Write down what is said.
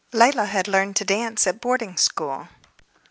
Leila had learned to dance at boarding school.